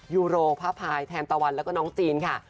ยูโรพระพายแทนตะวันแล้วก็น้องจีนค่ะ